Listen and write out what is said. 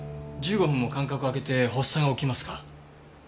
１５分も間隔をあけて発作が起きますか？